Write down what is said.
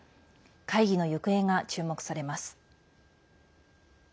会議の行方が注目されます。